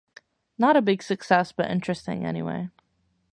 Not a big success, but interesting anyway.